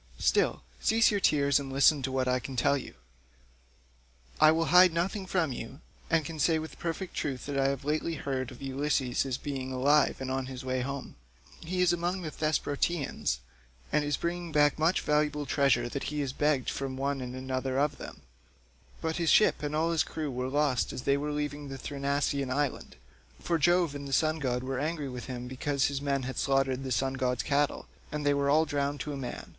Still, cease your tears and listen to what I can tell you. I will hide nothing from you, and can say with perfect truth that I have lately heard of Ulysses as being alive and on his way home; he is among the Thesprotians, and is bringing back much valuable treasure that he has begged from one and another of them; but his ship and all his crew were lost as they were leaving the Thrinacian island, for Jove and the sun god were angry with him because his men had slaughtered the sun god's cattle, and they were all drowned to a man.